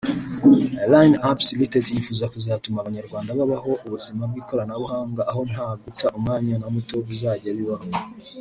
Line Apps Ltd yifuza kuzatuma Abanyarwanda babaho ubuzima bw’ikoranabuhanga aho nta guta umwanya na muto bizajya bibaho